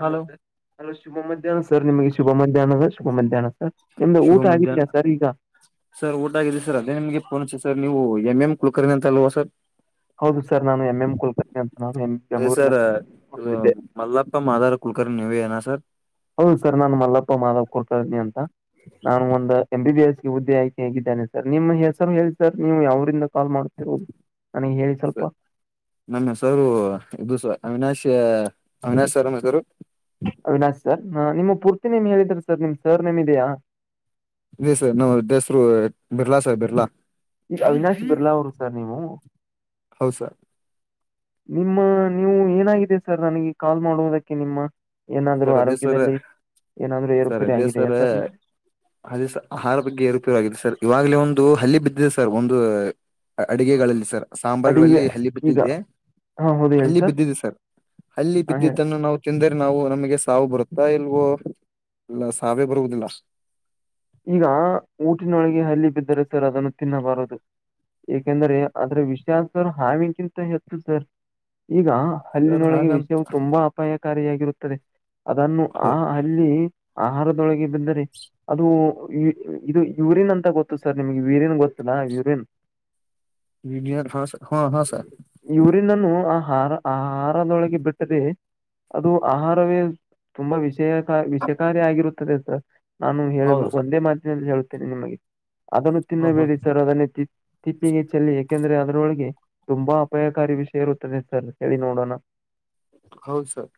ಅ hello ಸ ಶುಭ ಮಧ್ಯಾಹ್ನ ಸರ್ ನಿಮಗೆ ಶುಭ ಮಧ್ಯಾಹ್ನ ಶುಭ ಮಧ್ಯಾಹ್ನ. ಸರ್ ನಿಮ್ದು ಶುಭ ಊಟ ಆಗಿದೆಯಾ ಮಧ್ಯಾಹ್ನ ಸರ್ ಈಗ ಸರ್ ಊಟ ಆಗಿದೆ ಸರ್ ಅದೇ ನಿಮ್ಗೆ ಫೋನ್. ಸರ್ ನೀವು ಎಂ ಎಂ ಕುಳ್ಕರ್ ಅಂತ ಅಲ್ವಾ ಸರ್. ಹೌದು ಸರ್ ನಾನು ಎಂ ಎಂ ಕುಲಕರ್ಣಿ ಅಂತ ನಾನು ಎಂ ಅದೇ ಸರ್ ಬೆಂಗಳೂರಿನಲ್ಲಿ ಇದು ಕೊಡ್ತಿದ್ದೆ ಮಲ್ಲಪ್ಪ ಮಾದಾರ ಕು. ನೀವನಾ ಸರ್. ಹೌದು ಸರ್ ನಾನು ಮಲ್ಲಪ್ಪ ಮಾಧವ್ ಕೊಡ್ತಾ ಇದೀನಿ ಅಂತ ನಾನು ಒಂದ ಎಂ ಬಿ ಬಿ ಎಸ್. ಈ ಹುದ್ದೆ ಆಯ್ಕೆ ಹೇಗಿದ್ದಾನೆ ಸರ್ ನಿಮ್ಮ ಹೆಸರು ಹೇಳಿ ಸರ್ ನೀವು ಯ ಅವ್ರಂದ. ನಮ್ಮ ಸರು ಇದು ಅವಿನಾಶ್. ಅವಿನಶ್ ಸರಾಮ ಹೆಸರು. ಅವಿನಾಶ್ ಸರ್ ನಿಮ್ ಪೂರ್ತಿ ನೇಮ್ ಹೇಳಿದ್ರ ಸರ್ ನಿಮ್ ಸರ್ ನೇಮ್ ಇದೆಯಾ ಇ ಸರ್ ನಾ್ ಹೆಸರು ಬಿರ್ಲಾ ಸರ್ ಬಿರ್ಲಾ ಈಗ ಅವಿನಾಶ್ ಬಿರ್ಲಾ ಅವರು ಸರ್ ನೀವು ಹೌದು ಸರ್ ನಿಮ್ಮ ನೀವು ಏನಾಗಿದೆ ಸರ್ ನನಗೆ ಕಾಲ್ ಮಾಡುವುದಕ್ಕೆ ನಿಮ್ಮ ಏನಾದ್ರು ಸರ್ ಅದೇ ಸರ್ ಆರೋಗ್ಯದಲ್ಲಿ ಏನಾದ್ರು ಸರ್ ಏರುಪೇರಿ ಅದೇ ಆಗಿದೆಯಾ ಸರ್ ಅದೇ ಸರ್ ಆಹಾರ ಬಗ್ಗೆ ಏರುಪಯೋಗವಾಗಿದೆ ಸರ್ ಇವಾಗಲೇ ಒ ಒಂದು ಹಲ್ಲಿ ಬಿದ್ದಿದೆ ಸರ್ ಒಂದು ಅಡಗೆಗಳಲ್ಲಿ ಸರ್ ಅಡಿ ಸಾಂಬಾರ್ುಗಳಲ್ಲಿ ಹಲ್ಲಿ ಬಿದ್ದ ಈಗ ಇದೆ ಹಾ ಹೌದು ಹೇಳಿ ಅಲ್ಲಿ ಬಿದ್ದಿದ್ದು ಸರ್ ಅಲ್ಲಿ ಹಾ ಹೇಳಿ ಬಿದ್ದಿದ್ದನ್ನು ನಾವು ಚಂದ ನಾವು ನಮಗೆ ಸಾವು ಬರ್ತಾ ಇಲ್ವೋಲ್ಲ ಸಾವೇ ಬರುವುದಿಲ್ಲ ಈಗ ಊಟಿನೊಳಗೆ ಹಲ್ಲಿ ಬಿದ್ದರೆ ಸರ್ ಅದನ್ನು ತಿನ್ನಬಾರದು ಏಕೆಂದ್ರೆ ಅದ್ರ ವಿಷಾಸರ್ ಹಾವಿನಗಿಂತ ಹೆತ್ತು ಸರ್ ಈಗ ಸರ್ ಅಲ್ಲಿನೊಳಗೆ ಹಾಗಂತ ವಿಷಯವು ತುಂಬಾ ಅಪಾಯಕಾರಿಯಾಗಿರುತ್ತದೆ ಅದನ್ನು ಆ ಅಲ್ಲಿ ಆಹಾರದೊಳಗೆ ಬಂದರೆ ಅದು ಇದು ಯುರಿನ್ ಅಂತ ಗೊತ್ತು ಸರ್ ನಿಮ್ಗೆ ಯುರಿನ್ ಗೊತ್ತಲಾ ಯುರಿನ್ ಹ ಸ ಹಾ ಹಾ ಸರ್ ಯೂರಿನ್ ಅನ್ನು ಆ ಆಹಾರ ಆಹಾರದೊಳಗೆ ಬಿಟ್ಟರೆ ಅದು ಆಹಾರವೇ ತುಂಬಾ ವಿಷಯ ವಿಷಕಾರ ಆಗಿರುತ್ತದೆ ಸರ್ ನಾನು ಹೌದಾ ಹೇಳೇಳ್ಬೇಕು ಸರ್ ಹಳ್ುತ್ತೇನೆ ನಿಮಗೆ ಅದನ್ನು ಹ ಹ ತಿನ್ನಬೇಡಿ ಸರ್ ಅದನ್ನೇ ತಿಪ್ಪಿಗೆ ಚೆಲ್ಲಿ ಏಕೆಂದರೆೆ ಅದರೊಳಗೆ ತುಂಬಾ ಅಪಾಯಕಾರಿ ವಿಷಯ ಇರುತ್ತದೆ ಸರ್ ಹೇಳಿ ನೋಡೋಣ ಹೌ ಸರ್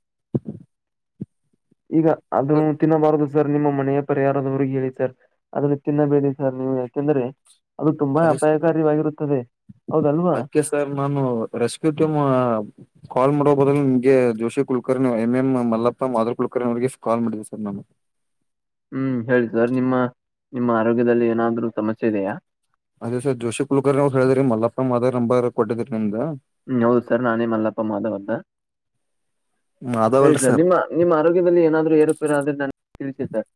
ಈಗ ಸರ್ ಅದುನ್ನು ತಿನ್ನಬಾರ್ದದು ಸರ್ ನಿಮ್ಮ ಮನೆಯ ಪರಿಹಾರದವ್ರಿಗೆ ಹೇಳಿ ಸರ್ ಅದನ್ನು ತಿನ್ನಬೇಡಿ ಸರ್ ನೀವು ಯಾಕೆಂದ್ರೆ ಅದು ತುಂಬಾ ಅಪಾಯಕವಾಗಿರುತ್ತದೆ ಅಕೆ ಸರ್ ನಾನು ರೆಸ್ಕ್ಯೂ ಟೀಮ್ ಕಾಲ್ ಮಾಡೋ ಬದಲು ಜೋಶಿ ಕುಲಕರ್ಣಿ ಎಂ ಎಂ ಮಲ್ಲಪ್ಪ ಮಾಧರ್ ಕುಲಕರ್ಣಿ ಅವರಿಗೆ ಕಾಲ್ ಮಾಡಿದೆ ಸರ್ ನು ಹ್ಮ್ ಹೇಳ ಸರ್ ನಿಮ್ಮ ನಿಮ್ಮ ಆರೋಗ್ಯದಲ್ಲಿ ಏನಾದ್ರರು ಸಮಸ್ಯೆ ಇದೆಯಾ ಅದೇ ಸರ್ ಜೋಶಿ ಕುಲಕರ್ ಅವ್ರು ಹೇಳಿದ್ರರಿ ಮಲ್ಲಪ್ಪ ಮಾದ ನಂಬರ್ ಕೊಟ್ಟಿದ್ರರಿ ನಿಮ್ದ ಹ್ಮ ಹೌದು ಸರ್ ನಾನೇ ಮಲ್ಲಪ್ಪ ಮಾಧವ್ ಅ್ದ ಮಾಧವ್ ಹೇಳಿ ಅಲ್ರಿ ಸರ್ ನಿಮ್ಮ ನಿಮ್ಮ ಆರೋಗ್ಯದಲ್ಲಿ ಏನಾದ್ೂ ಏರುಪೇರ ಆದ್ರೆ ನು ತಿಳಿಸಿ ಸರ್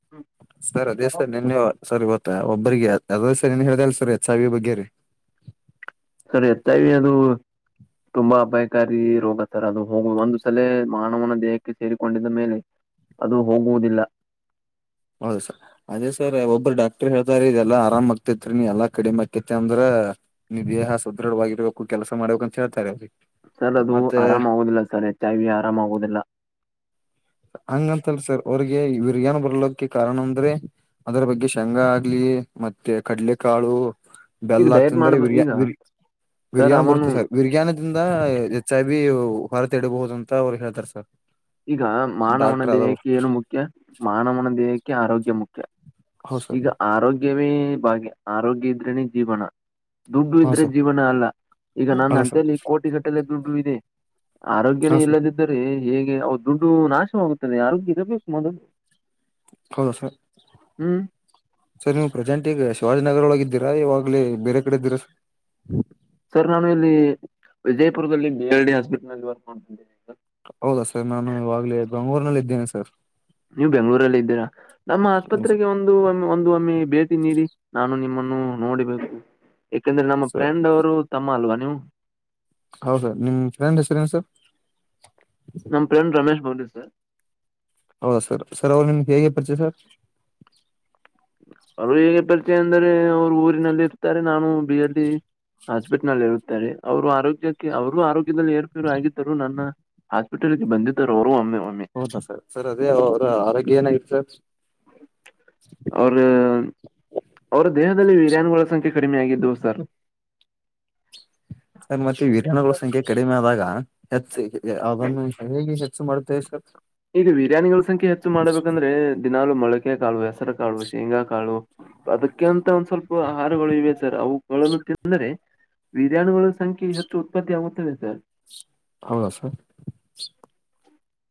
ಸರ್ ಅದೇ ಸರ್ ನಿನ್ನೆ ಸರಿ ಗೊತ್ತಾ ಒಬ್ಬರಿಗೆ ಅ ಸರಿ ಏನ್ ಹೇಳ್ದಸ ರೀ ಎ ಸಾವಿ ಬಗ್ಗೆ ರೀ ಸರಿ ಹೆಚ್ಐವಿ ತುಂಬಾ ಅಪಾಯಕಾರಿ ರೋಗ ಸರ್ ಅದು ಹೋಗುವ ಒಂದು ಸಲ ಮಾನವನ ದೇಹಕ್ಕೆ ಸೇರಿಕೊಂಡಿದ್ದ ಮೇಲೆ ಅದು ಹೋಗುವುದಿಲ್ಲ ಹೌದು ಸರ್ ಅದೇ ಸರ್ ಒಬ್ಬರು ಡಾಕ್ ಡಾಕ್ಟರ್ ಹೇಳ್ತಾರ ಇದೆಲ್ಲಾ ಆರಾಮ್ ಆಗ್ತೇತ್ರಿ ನೀ ಎಲ್ಲ ಕಡಿಮೆ ಆಕೇತಿ ಅಂದ್ರ ನಿ ದೇಹ ಸದೃಢವಾಗಿರ್ಬೇಕು ಕೆ ಕೆಲಸ ಮಾಡಬೇಕ ಅಂತ ಹೇಳ್ತಾರೆ ಸರ್ ಅದು ಮತ್ತ ಆರಾಮ ಆಗುದಿಲ್ಲ ಸರ್ ಎಚ್ ಐ ವಿ ಆರಾಮ ಆಗುದಿಲ್ಲ ಹಂಗಂತಲ್ ಸರ್ ಅವ್ರಿಗೆ ಇವ್ರಗಏನ್ ಬರ್ಲಕ ಕಾರಣ ಅಂದ್ರೆ ಅದರ ಬಗ್ಗೆ ಶೇಂಗಾ ಆಗ್ಲಿ ಮತ್ತೆ ಕಡ್ಲೆಕಾಳು ಈಗ ಬೆಲ್ಲ ಡಯಟ್ ತಿಂದರೆ ಮಾಡ್ಬೇಕು ಈಗ ಬಿರಿಯರಿ ಸರ್ ಬಿರಿಯಾನ ಅವನು ಬರುತ್ತೆ ಸರ್ ಬಿರಿಯಾನದಿಂದ ಹೆಚ್ ಐ ಬಿ ಹೊರತ ಇಡಬಹುದು ಅಂತ ಅವ್ರು ಹೇತಾರೆ ಸರ್ ಈಗ ಮಾನವನ ಡಾಕ್ಟರ್ ಆದವ್ರು ದೇಹಕ್ಕೆ ಏನು ಮುಖ್ಯ ಮಾನವನ ದೇಹಕ್ಕೆ ಆರೋಗ್ಯ ಮುಖ್ಯ ಹೌದು ಸರ್ ಈಗ ಆರೋಗ್ಯವೇ ಬಾಗಿಯ ಆರೋಗ್ಯ ಇದ್ರನೇ ಜೀವನ ದುಡ್ಡು ಹಾ ಇದ್ರೆ ಸರ್ ಜೀವನ ಅಲ್ಲ ಈಗ ನನ್ನ ಅಲ್ಲ ಅಂತಿ ಸರ್ ಈ ಕೋಟಿಗಟ್ಟಲೆ ದುಡ್ಡು ಇದೆ ಹಾ ಆರೋಗ್ಯನೇ ಸರ್ ಇಲ್ಲದಿದ್ದರೆ ಹೇಗೆ ಅವ ದುಡ್ಡು ನಾಶವಾಗುತ್ತದೆ ಆರೋಗ್ಯ ಇರಬೇಕು ಮೊದಲು ಹೌದಾ ಸರ್ ಹ್ಮ್ ಸರ್ ನೀವು ಪ್ರೆಸೆಂಟ್ಗ ಶಿವಾಜಿನಗರ ಒಳಗೆ ದಿರಾ ಇವಾಗ್ಲೇ ಬೇರೆ ಕಡೆ ದಿರ ಸರ್ ನಾನು ಇಲ್ಲಿ ವಿಜಯಪುರದಲ್ಲಿ ಬಿ ಎಲ್ ಡಿ ಹಾಸ್ಪಿಟಲ್ ನಲ್ಲಿ ಬರ್ಕೊಂಡತಿದ್ದೇನಿ ಹೌದಾ ಸರ್ ನಾನು ಇವಾಗಲೇ ಬೆಂಗಳೂರಿನಲ್ಲಿ ಇದ್ದೇನೆ ಸರ್ ನೀವು ಬೆಂಗಗಳೂರಲ್ಲಿ ಇದ್ದೀರಾ ನಮ್ಮ ಹ್ಮ್ ಸರ್ ಆಸ್ಪತ್ರೆಗೆ ಒಂದು ಒಂದು ಒಮ್ಮೆ ಭೇಟಿ ನೀಡಿ ನಾನು ನಿಮ್ಮನ್ನು ನೋಡಿಬೇಕು ಯಾಕಂದ್ರೆ ನಮ್ಮ ಸರ್ ಫ್ರೆಂಡ್ ಅವರು ತಮ್ಮ ಅಲ್ವಾ ನೀವು ಹೌ ಸರ್ ನಿಮ ಫ್ರಂಡ ಹೆಸರ್ ಏನು ಸರ್ ನಮ್ಮ್ ಪ್ರೆಂಡ್ ರಮೇಶ್ ಬೌ ಸರ್ ಹೌದಾ ಸರ್ ಸರ್ ಅವ್ರು ನಿಮಗೆ ಹೇಗೆ ಪರಿಚಯ ಸರ್ ಅವರು ಹೇಗೆ ಪರಿಚಯ ಎಂದರೆ ಅವ್ರು ಊರಿನಲ್ಲಿ ಇರ್ತಾರೆ ನಾನು ಬಿ ಎಲ್ಲಿ ಹಾಸ್ಪಿಟ್ ನಲ್ಲಿ ಇರುತ್ತಾರೆ ಅವರು ಆರೋಗ್ಯಕ್ಕೆ ಅವರು ಆರೋಗ್ಯ ಏರ್ಫರು ಆಗಿದ್ದರು ನನ್ನ ಹಾಸ್ಪಿಟಲ್ಗೆ ಬಂದಿದ್ದರು ಅವರು ಒಮ್ಮೆ ಒಮ್ಮೆ ಹೌದಾ ಸರ್ ಸರ್ ಅದೇ ಅವ್ರ ಆರೋಗ್ಯ ಏನಾಗಿತ್ತು ಸರ್ ಅವ ಅವ ದೇಹ ವಿರಾನುಗಳ ಸಂಖ್ಯೆ ಕಡಿಮೆ ಆಗಿದ್ದವು ಸರ್ ಸರ್ ಮತ್ತೆ ವಿರಾನುಗಳ ಸಂಖ್ಯೆ ಕಡಿಮೆ ಆದಾಗ ಹೆಚ್ಚು ಅದನ್ನು ಹೆಚ್ಚು ಮಾಡುತ್ತೆ ಈಗ ಬಿರಿಯಾನಿಗಳ ಸಂಖ್ಯೆ ಹೆಚ್ಚು ಮಾಡ್ಬೇಕಂದ್ರೆ ದಿನಾಲು ಮೊಳಕೆ ಕಾವು ಹೆಸರು ಕಾಳು ಶೇಂಗಾ ಕಾಳು ಅದಕ್ಕೆ ಅಂತ ಒಂದ್ ಸ್ವಲ್ಪ ಆಹಾರಗಳು ಇವೆ ಸರ್ ಅವುಲು ತಿಂದರೆ ವಿರ್ಯಾಣುಗಳ ಸಂಖ್ಯೆ ಹೆಚ್ಚು ಉತ್ಪತ್ತಿಯಾಗವೆ ಸರ್ ಹೌದ ಸರ್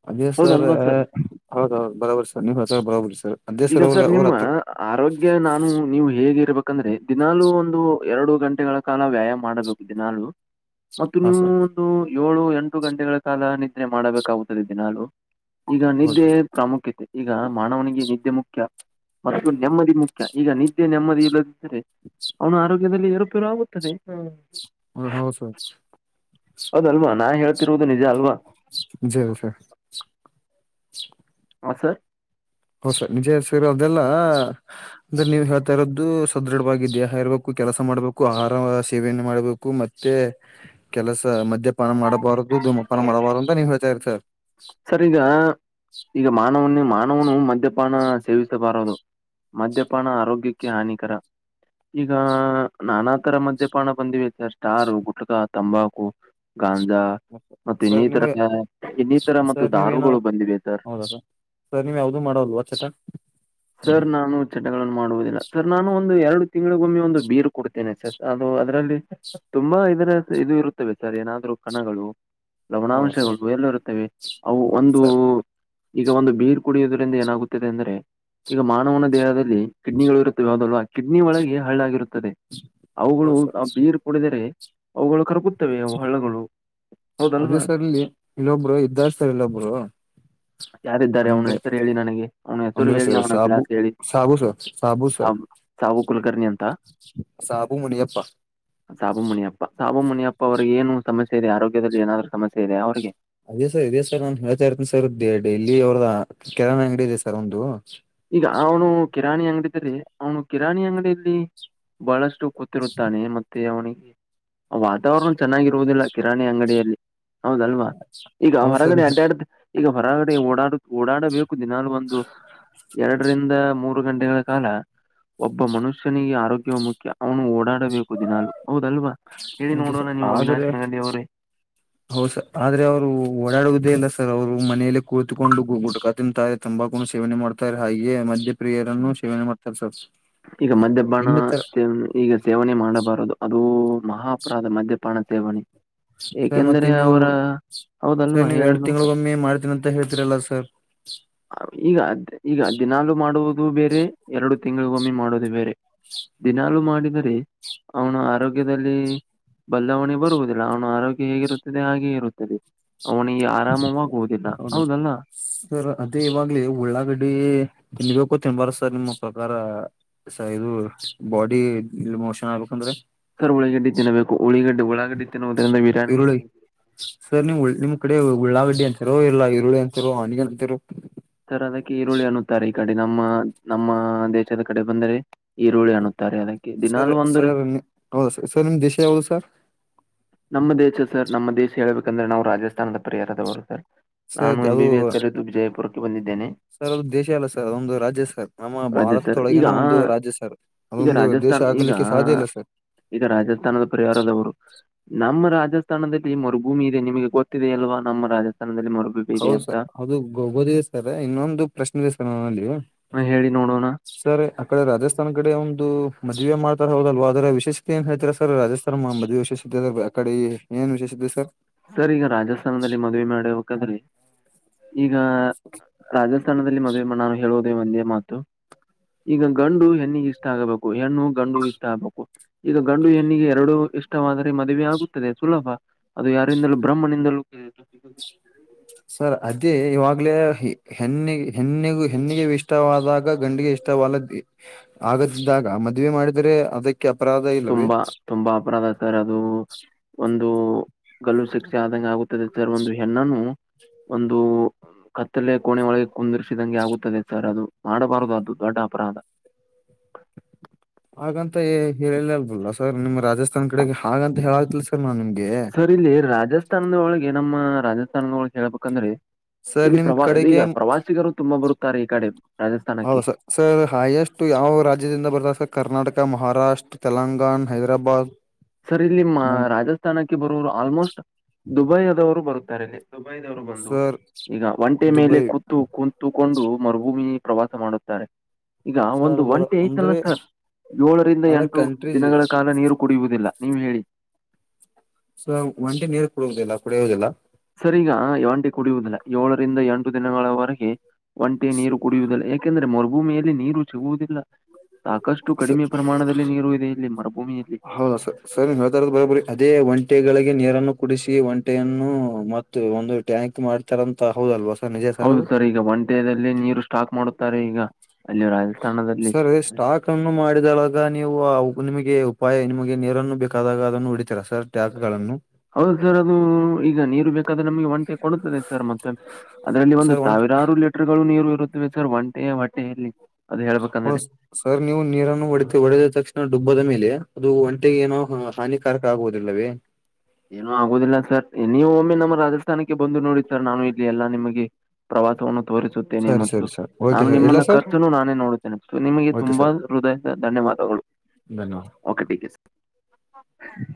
ಅದೇ ಸರ್ ಹೌದ್ ಹೌದು್ ಬರೋಬರಿ ಸರ್ ನೀವು ಹತ್ರ ಬರೋಬರಿ ಸರ್ ಅದೇ ಈಗ ಅವ್ರ ಸರ್ ಅವ್ರ ನಿಮ್ಮ ಹತ್ರ ಆರೋಗ್ಯ ನಾನು ನೀವು ಹೇಗಿರ್ಬೇಕ ಯಾಕಂದ್ರೆ ದಿನಾಲು ಒಂದು ಎರಡು ಗಂಟೆಗಳ ಕಾಲ ವ್ಯಾಯಾಮ ಮಾಡಬೇಕು ದಿನಾಲು ಮತ್ತು ಹಾ ನೀವು ಸರ್ ಒಂದು ಏಳು ಎಂಟು ಗಂಟೆಗಳ ಕಾಲ ನಿದ್ರೆ ಮಾಡಬೇಕಾಗುತ್ತದೆ ದಿನಾಲು ಈಗ ಹೌದು ನಿದ್ದೆ ಸರ್ ಪ್ರಾಮುಖ್ಯತೆ ಈಗ ಮಾನವನಿಗೆ ನಿದ್ದೆ ಮುಖ್ಯ ಮತ್ತು ನೆಮ್ಮದಿ ಮುಖ್ಯ ಈಗ ನಿದ್ದೆ ನೆಮ್ಮದಿ ಇಲ್ಲದಿದ್ದರೆ ಅವನು ಆರೋಗ್ಯ ದಲ್ಲಿ ಎರುಪಿರು ಆಗುತ್ತದೆ ಹ ಹ ಹೌ ಸ ಅದಲ್ವಾ ನಾ ಹೇಳ್ತಿರುವುದು ನಿಜ ಅಲ್ವಾ ಜ ಸ ಹಾಂ ಸರ್ ಹೌಸ ನಿಜ ಹೆಸರ ಅದೆಲ್ಲಾ ಅಂದ್ರೆ ನೀವ್ ಹೇಳ್ತಾ ಇರೋದ್ದದು ಸದೃಢವಾಗಿದ್ಯಾ ಹೇರ್ಬೇಕು ಕೆಲಸ ಮಾಡ್ಬೇಕು ಆಹಾರ ಸೇವೆಯನ್ನು ಮಾಡ್ಬೇಕು ಮತ್ತೆ ಕೆಲಸ ಸ ಮದ್ಯಪಾನ ಮಾಡಬಾರದು ಧಮಪಾನ ಮಾಡಬಾರು ಅಂತ ನೀವ ಹೇಳ್ತಾರಿ ಸರ್ ಸರ್ ಈಗ ಈಗ ಮಾನವನೇ ಮಾನವನು ಮದ್ಯಪಾನ ಸೇವಿಸಬಾರದು ಮದ್ಯಪಾನ ಆರೋಗ್ಯಕ್ಕೆ ಹಾನಿಕರ ಈಗ ನಾನಾ ತರ ಮದ್ಯಪಾನ ಬಂದಿವೆ ಸರ್ ಸ್ಟಾರು ಗುಟಕ ತಂಬಾಕು ಗಾಂಜಾ ಮ ಸರ್ ಇನ್ನಿತರ ನೀವು ಇ ಸರ್ ನೀವೇನು ಹೌದಾ ಸರ್ ಸರ್ ನೀವ ಯಾವ್ದೂ ಮಾಡಲ್ವಾ ಆ ಚಟ ಸರ್ ನಾನು ಚಟ ಮಾಡುವುದಿಲ್ಲ ಸರ್ ನಾನು ಒಂದು ಎರಡು ತಿಂಗಳಿಗೊಮ್ಮೆ ಒಂದು ಬೀರ್ ಕುಡಿತೇನೆ ಸರ್ ಅದು ಅದರಲ್ಲಿ ತುಂಬ ಮ್ಮ ಇದರ ಇದು ಇರುತ್ತೆವೆ ಸರ್ ಏನಾದ್ರು ಕಣಗಳು ಹೌದಾ ಸರ್ ಲವಣಾನಾಂಶಗಳ ಎಲ್ಲ ಇರುತ್ತವೆ ಅವು ಒಂದು ಈಗ ಒಂದು ಬೀರ್ ಕುಡಿಯುವುದರಿಂದ ಏನಾಗುತ್ತದೆ ಅಂದ್ರೆ ಈಗ ಮಾನವನ ದೇಹದ ಕಿಡ್ನಿಗಳು ಇರುತ್ತವೆ ಹದಲ್ವಾ ಕಿಡ್ನ ಒಳಗೆ ಹಳ್ಳಾಗಿರು ಅವುಗಳು ಹೌದ ಸರ್ ಆ ಬೀರ್ ಕುಡಿದರೆ ಅವುಗಳು ಕರ್ಗು ಅದೇ ಸರ್ಲ್ಲಿ ಇಲ್ಲೊಬ್ರು ಇದ್ದಾರ್ ಸರ್ ಇಲ್ಲೊಬ್ರು ಯಾರಿದ್ದಾರೆ ಅವನು ಅಂದ್ರೆ ಹೆಸರು ಹೇಳಿ ನನಗೆ ಅವನು ಹೆಸರು ಅಂದ್ರೆ ಹೇಳಿ ಸರ್ ಅವನ ಸಾಬು ಗ್ಲಾಸ್ ಹೇಳಿ ಸಾಬು ಸರ್ ಸಾಬು ಸರ್ ತಾವು ಕುಲಕರ್ಣಿ ಅಂತ ಸಾಬು ಮುಣಿಯಪ್ಪ ಸಾಬು ಮುನಿಯಪ್ಪ ಸಾಬು ಮುನಿಯಪ್ಪ ಅವ್ರಿಗೆ ಏನು ಸಮಸ್ಯೆ ಇದೆಯಾ ಆರೋಗ್ಯದಲ್ಲಿ ಏನಾದರೂ ಸಮಸ್ಯೆ ಇದೆಯಾ ಅವ್ರಿಗೆ ಅದೇ ಸರ್ ಇದೇ ಸರ್ ನಾನು ಹೇಳ್ತಾ ಇರ್ತನಿ ಸರ್ ಡೈಲಿ ಅವ್ರದ ಕಿರಾಣಿ ಅಂಗಡಿ ಇದೆ ಸರ್ ಒಂದು ಈಗ ಅವನು ಕಿರಾಣಿ ಅಂಗಡಿ ದಲ್ಲಿ ಅವನು ಕಿರಾಣಿ ಅಂಗಡಿಯಲ್ಲಿ ಬಹಳಷ್ಟು ಕೂತಿರುತ್ತಾನೆ ಮತ್ತೆ ಅವನಿಗೆ ವಾತಾವರಣ ಚನ್ನಾಗಿ ಇರುವುದಿಲ್ಲ ಕಿರಾಣಿ ಅಂಗಡಿಯಲ್ಲಿ ಹೌದಲ್ವಾ ಈಗ ಹೌದು ಸರ್ ಹೊರಗಡೆ ಅಡ್ಡಾಡ್ದ ಈಗ ಹೊರಗಡೆ ಓಡಾಡ ಓಡಾಡ ಹು ದಿನಾಲೂ ಒಂದು ಎರಡರಿಂದ ಮೂರು ಗಂಟೆಗಳ ಕಾಲ ಒಬ್ಬ ಮನುಷ್ಯನಿಗೆ ಆರೋಗ್ಯ ಮುಖ್ಯ ಅವನು ಓಡಾ ಬು ದಿನಾಲೂ ಹೌದಲ್ವಾ ಹೇಳಿ ನೋಡೋಣ ನೀವು ಅವಿನಾಶನ ಅವರೇ ಹೌ ಸರ್ ಆದ್ರೆ ಅವ್ರು ಓಡಾಡುವುದೇ ಇಲ್ಲ ಸರ್ ಅವ್ರು ಮನೆಯಲ್ಲೇ ಕುಳಿತುಕೊಂಡು ಗುಟ್ಕಾ ತಿಂತಾರೆ ತಂಬ ತಂಬಾಕು ಸೇವನೆ ಮಾಡ್ತಾರೆ ಹಾಗೇ ಮಧ್ಯಪ್ರಿಯರನ್ನು ಸೇವನೆ ಮಾಡ್ತಾರೆ ಸರ್ ಈಗ ಮದ್ಯ ಬಾಣ ಇನ್ನು ತರ ಸೇವ ಈಗ ಸೇವನೆ ಮಾಡಬಾರದು ಅದು ಮಹಾಅಪರಾದ ಮಧ್ಯಪಾನ ಸೇವನೆ ಸರ್ ಮತ್ತೆ ಏಕೆಂದರೆ ನೀವು ಅವರ ಸರ್ ಹೌದಲ್ವಾ ನೀವು ಎರಡು ಹೇಳಿನು ತಿಂಗಳಗೊಮ್ಮೆ ಮಾಡ್ ಏನ್ ಅಂತ ಹೇಳ್ತಿರಲ್ಲ ಸರ್ ಈಗದ ಈಗ ದಿನಾಲು ಮಾಡುವುದು ಬೇರೆ ಎರಡು ತಿಂಗಳಿಗೊಮ್ಮಿ ಮಾಡುವುದು ಬೇರೆ ದಿನಲೂ ಮಾಡಿದರೆ ಅವನ ಆರೋಗ್ಯದಲ್ಲಿ ಬದಲಾವಣೆ ಬರುವುದಿಲ್ಲ ಅವನ ಆರೋಗ್ಯ ಹೇಗಿರುತ್ತದೆ ಹಾಗೆ ಇರುತ್ತದೆ. ಅವನಿಗೆ ಆರಾಮವಾಗುವುದಿಲ್ಲ ಹೌದು ಹೌದಲ್ಲ. ಸರ್ ಅದೇ ಇವಾಗ್ಲ ಉಳ್ಳಾಗಡ್ಡಿ ತಿನ್ಬೇಕು ತಿನ್ಬಾರ ಸರ್ ನಿಮ್ಮ ಪ್ರಕಾರ ಸರ್ ಇದು ಬಾಡಿ ಇಲ್ಮೋಷನ್ ಆಗ್ಬೇಕಂದ್ರೆ ಸರ್ ಉಳಿಗಡ್ಡಿ ತಿನ್ನಬೇಕು ಉಳಿಗಡ್ಡಿ ಉಳಾಗಡ್ಡಿ ತಿನ್ನುವುದರಿಂದ ಈರುಳ್ಳಿ ವಿರಾಣಿಗಳುವೆ ಸರ್ ನೀವು ಉಳ್- ನಿಮ್ ಉಳ್ಳಾಗಡ್ಡಿ ಅಂತಿರು ಇಲ್ಲಾ ಈರುಳ್ಳಿ ಅಂತಿರು ಆನಿಯನ್ ಅಂತಿರು ಸರ್ ಅದಕ್ಕೆ ಈರುಳ್ಳಿ ಅನ್ನುತ್ತಾರೆ ಈ ಕಡೆ ನಮ್ಮ ನಮ್ಮ ದೇಶದ ಕಡೆ ಬಂದರೆ. ಈರುಳ್ಳಿ ಅನ್ನೂತ್ತಾರೆ ಅದಕ್ಕೆ ಸರ್ ದಿನಲೂ ಒಂದ್ರೆ ಸರ್ ಹೌದ ಸರ್ ಸರ್ ನಿಮ್ ದೇಶ ಯಾವುದು ಸರ್ ನಮ್ಮ ದೇಶ ಸರ್ ನಮ್ಮ ದೇಶ ಹೇಳ್ಬೇಕಂದ್ರೆ ನಾವು ರಾಜಸ್ಥಾನದ ಪರಿಹಾರದವರು ಸರ್ ಸರ್ ನಾನು ಎಂ ಬಿ ಅದು ಬಿ ಎಸ್ ಕಲಿತು ವಿಜಯಪುರಕ್ಕೆ ಬಂದಿದ್ದೇನೆ. ಸರ್ ಅದು ದೇಶ ಅಲ್ಲ ಸರ್ ಅದೊಂದು ರಾಜ್ಯ ಸರ್ ನಮ್ಮ ರಾಜ ಸರ್ ಈಗ ಭಾರತೊಳಗಿನ ಒಂದು ರಾಜ್ಯ ಸರ್ ಈಗ ಅದೊಂದು ದ ದೇಶ ರಾಜಸ್ಥಾನ್ ಈಗ ಆಗಲಿಕ್ಕೆ ಸಾಧ್ಯ ಇಲ್ಲ ಸರ್ ಈಗ ರಾಜಸ್ಥಾನದ ಪರಿಹಾರದವರು ನಮ್ಮ ರಾಜಸ್ಥಾನದಲ್ಲಿ ಮರು ಭೂಮಿ ಇದೆ ನಿಮಗೆ ಗೊತ್ತಿದೆ ಅಲ್ವಾ ನಮ್ಮ ರಾಜಸ್ಥಾನ ಹೌದು ಸರ್ ಅದು ಗೊತಿದೆ ಸರ್ ಇನ್ನೊಂದು ಪ್ರಶ್ನೆ ಇದೆ ಸರ್ ನಮ್ಮಲ್ಲಿ ಹೇಳಿ ನೋಡೋಣ ಸರಿ ಅ ಕಡೆ ರಾಜಸ್ಥಾನ ಕಡೆ ಒಂದು ಮ ಜಿ ಎಂ ಮಾಡ್ತಾರ ಹೌದಲ್ವಾ ಆದರ ವಿಶೇಷತೆ ಏನ್ ಹೇಳ್ತರ ಸರ್ ರಾಜಸ್ಥಾನ ಮದುವೆ ವಿಶೇಷತೆ ಅ ಕಡೆ ಈ ಏನ್ ವಿಶೇಷತೆ ಇದೆ ಸರ್ ಸರ್ ಈಗ ರಾಜಸ್ಥಾನದಲ್ಲಿ ಮದುವೆ ಮಾಡಿ ಬೇಕಾದ್ರ ಈಗ ರಾಜಸ್ಥಾನದಲ್ಲಿ ಮದುವೆ ಮಾಡ್ ನಾನು ಹೇಳುವುದೇ ಒಂದೇ ಮಾತು ಈಗ ಗಂಡು ಹೆಣ್ಣಿಗೆ ಇಷ್ಟ ಆಗಬೇಕು ಹೆಣ್ಣು ಗಂಡು ಇಷ್ಟ ಆಗ್ಬೇಕು ಈಗ ಗಂಡು ಹೆಣ್ಣಿಗೆ ಎರಡು ಇಷ್ಟವಾದರೆ ಮದುವೆ ಆಗುತ್ತದೆ ಸುಲಭ ಅದು ಯಾರಿಂದಲೂ ಬ್ರಹ್ಮನಿಂದಲೂ ಸರ್ ಅದೇ ಇವಾಗ್ಲೇ ಹೆಣ್ಣಿಗೆ ಹೆಣ್ಣಿಗೆ ಹೆಣ್ಣಿಗೆ ಇಷ್ಟವಾದಾಗ ಗಂಡಿಗೆ ಇಷ್ಟ ವಲ ಆಗದಿದ್ದಾಗ ಮದುವೆ ಮಾಡಿದರೆ ಅದಕ್ಕೆ ಅಪರಾಧ ಇಲ್ಲವೇ ತುಂಬಾ ತುಂಬಾ ಅಪರಾಧ ಸರ್ ಅದು ಒ ದು ಗಲ್ಲು ಶಿಕ್ಷೆ ಆದಂಗೆ ಆಗುತ್ತದೆ ಸರ್ ಒಂದು ಹೆಣ್ಣನು ಒಂದು ಕತ್ತಲೆ ಕೋಣೆ ಒಳಗೆ ಕುಂದಿರ್ಸಿದಂಗೆ ಆಗುತ್ತದೆ ಸರ್ ಅದು ಮಾಡಬಾರದು ಅದು ದೊಡ್ಡ ಅಪರ ಅದ [inaudible] ಹಾಗಂತ ಹೇಳಿಲ್ಲಲ್ವಲ್ಲ ಸರ್ ನಿಮ್ ರಾಜಸ್ಥಾನ್ ಕಡೆಗೆ ಹಾಗಂತ ಹೇಳತಿ ಸರ್ ನಾನ್ ನಿಮ್ಗೆ ಸರ್ ಇಲ್ಲಿ ರಾಜಸ್ಥಾನದ ಒಳಗೆ ನಮ್ಮ ರಾಜಸ್ಥಾನದ ಒಳಗೆ ಹೇಳ್ಬೇಕಂದ್ರೆ ಸರ್ ಇಲ್ಲಿ ನಿಮ್ ಪ್ರ ಕಡೆಗೆ ಈಗ ಪ್ರವಾಸಿಗರು ತುಂಬಾ ಬರುತ್ತಾರೆ ಈ ಕಡೆ ರಾಜಸ್ಥಾನಕ್ಕೆ ಷ್ಟು ಯಾವ ರಾಜ್ಯದಿಂದ ಬರ್ದ ಕರ್ನಾಟಕ ಮಹಾರಾಷ್ಟ್ರ ತೆಲಂಗಾಣ ಹೈದ್ರಾಬಾದ್ ಸರ್ ಇಲ್ಲಿ ರಾಜಸ್ಥಾನಕ್ಕೆ ಬರುವೋರು ಆಲ್ಮೋಸ್ಟ್ ದುಬೈದವರು ಬರುತ್ತಾರೆ ಇಲ್ಲಿ ವರು ಬಂದು ಸರ್ ಈಗ ಒಂಟೆ ಮೇಲೆ ದುಬೈ ಕೂತು ಕುಂತುಕೊಂಡು ಮರುಭೂಮಿ ಪ್ರವಾಸ ಮಾಡುತ್ತಾರೆ ಈಗ ಒಂದು ಸರ್ ಬರ ಒಂಟಿ ಐತಲ್ಲ ಅಂದ್ರೆ ಸರ್ ಏಳರಿಂದ ಅದರ್ ಎಂಟು ದಿನಗಳ ಕಂಟ್ರೀಸ್ ಕಾಲ ನೀರು ಕುಡಿಯುವುದಿಲ್ಲ ಹ್ಮ ಹೇಳಿ ಸೊ ಒಂಟಿ ನೀರ್ ಕುಡುವುದಿಲ್ಲ ಕುಡಿಯುವುದಿಲ್ಲ ಸರಿ ಈಗ ಒಂಟಿ ಕುಡಿಯುವುದಿಲ್ಲ ಏಳರಿಂದ ಎಂಟು ದಿನಗಳವರೆಗೆ ಒಂಟೆ ನೀರು ಸ- ಕುಡಿಯುವುದಿಲ್ಲ ಯಾಕೆಂದ್ರೆ ಮರುಭೂಮಿಯಲ್ಲಿ ನೀರು ಸಿಗುವುದಿಲ್ಲ ಸಾಕಷ್ಟು ಸ- ಕಡಿಮೆ ಪ್ರಮಾಣದಲ್ಲಿ ನೀರು ಇದೆ ಇಲ್ಲಿ ಮರುಭೂಮಿಯಲ್ಲಿ ಒಂಟಿಗಳಿಗೆ ನೀರನ್ನು ಕುಡಿಸಿ ಒಂಟೆಯನ್ನು ಮ ಒಂದು ಟ್ಯಾಂಕ್ ಮಾಡ್ತಾರಂತ ಹೌದಲ್ವಾ ಸರ್ ನಿಜ ಅದು ಹೌದು ಸರ್ ಈಗ ಒಂಟ್ಯದಲ್ಲಿ ನೀರು ಸ್ಟಾಕ್ ಮಾಡುತ್ತಾರೆ ಈಗ ಅಲ್ಲಿ ರಾಜಸ್ಥಾನದಲ್ಲಿ ಸರಿ ಸ್ಟಾಕ್ ಅನ್ನು ಮಾಡಿದಳಗ ನೀವು ನಿಮಗೆ ಉಪಾಯ ನಿಮಗೆ ನೀರನ್ನು ಬೇಕಾದಾಗ ಅದನ್ನು ಹಡಿತೀರಾ ಸರ್ ಟ್ಯಾಕ್ ಗಳನ್ನು ಹೌದು ಸರ್ ಅದು ಈಗ ನೀರು ಬೇಕಾದ್ರೆ ನಮ್ಗೆ ಒಂಟೆ ಕೊಡುತ್ತದೆ ಸರ್ ಮತ್ತೆ ಅದರಲ್ಲಿ ಒಂದು ಸರ್ ಒಂಟ ಸಾವಿ ಇರಾರು ಲೀಟರ್ ಗಳು ನೀರು ಇರುತ್ತವೆ ಸರ್ ಒಂಟೆಯ ಹೊಟ್ಟೆಯಲ್ಲಿ ಅದು ಹೇಳ್ಬೇಕಂದ್ರೆ ಹ ಸರ್ ನೀವು ನೀರನ್ನು ಹೊಡಿತೀವಿ ಹೊಡೆದ ತಕ್ಷಣ ದುಬ್ಬದ ಮೇಲೆ ಅದು ಒಂಟೆಗೆ ಏನೋ ಹಾನಿಕಾರಕ ಆಗುವುದಿಲ್ಲವೇ ಏನುೂ ಆಗುದಿಲ್ಲ ಸರ್ ನೀವು ಒಮ್ಮೆ ನಮ್ಮ ರಾಜಸ್ಥಾನಕ್ಕೆ ಬಂದು ನೋಡಿ ಸರ್ ನಾನು ಇಲ್ಲಿ ಎಲ್ಲಾ ನಿಮಗೆ ಪ್ರವಾಸವನ್ನು ತೋರಿಸುತ್ತೇನೆ ಸರಿ ಮತ್ತು ಸರಿ ಸರ್ ಓಕೆ ನಾನು ಸರ್ ಇಲ್ಲ ನಿಮ್ಮನ್ನ ಸರ್ ಖರ್ಚುನು ನಾನೇ ನೋಡುತ್ತೇನೆ ಸೊ ನಿಮಗೆ ಓಕೆ ತುಂಬಾ ಸರ್ ಹೃದಯದ ಧನ್ಯವಾದ ಮತ್ ಧನ್ಯವಾದ ಓಕೆ ಸರ್